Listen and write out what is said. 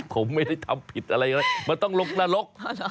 ผมไม่ได้ทำผิดอะไรมันต้องลกนรก